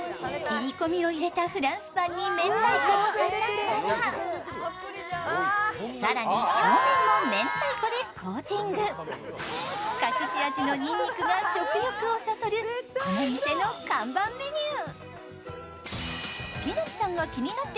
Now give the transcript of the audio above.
切り込みを入れたフランスパンに明太子を挟んだら、更に、表面も明太子でコーティング隠し味のにんにくが食欲をそそるこの店の看板メニュー。